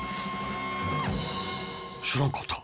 知らんかった。